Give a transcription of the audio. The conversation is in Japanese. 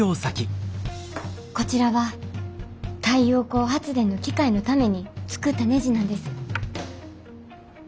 こちらは太陽光発電の機械のために作ったねじなんです。